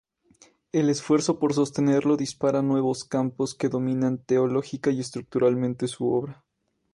El esfuerzo por sostenerlo dispara nuevos campos que dominan teológica y estructuralmente su obra.